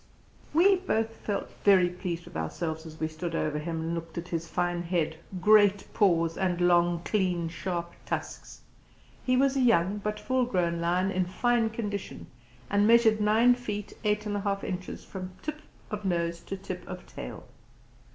We both felt very pleased with ourselves as we stood over him and looked at his fine head, great paws, and long, clean, sharp tusks. He was a young, but full grown lion in fine condition, and measured nine feet eight and a half inches from tip of nose to tip of tail.